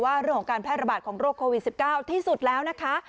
เรื่องของการแพร่ระบาดของโรคโควิด๑๙ที่สุดแล้วนะคะ